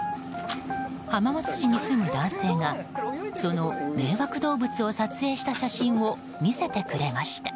浜松市に住む男性がその迷惑動物を撮影した写真を見せてくれました。